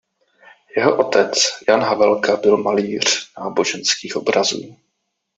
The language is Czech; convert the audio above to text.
Jeho otec Jan Havelka byl malíř náboženských obrazů.